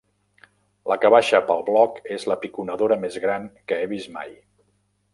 La que baixa pel bloc és la piconadora més gran que he vist mai.